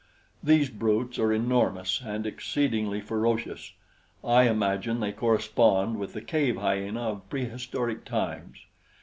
These brutes are enormous and exceedingly ferocious. I imagine they correspond with the cave hyena of prehistoric times.